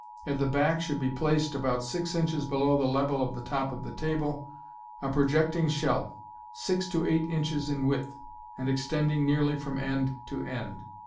At the back should oe placed, about six inches below the level of the top of the table, a projecting shelf, six to eight inches in width, and extending nearly from end to end.